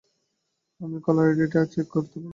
আমি কলার আইডিটা চেক করতে পারি?